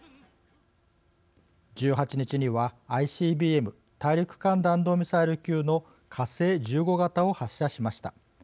１８日には、ＩＣＢＭ＝大陸間弾道ミサイル級の火星１５型を発射しました。